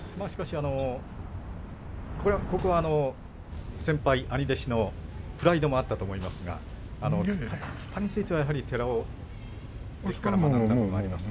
ここは先輩、兄弟子のプライドもあったと思いますが突っ張りについては、やはり寺尾関かなというところもありますね。